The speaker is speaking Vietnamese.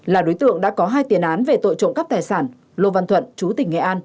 là đối tượng đã có hai tiền án về tội trộm cắp tài sản lô văn thuận chú tỉnh nghệ an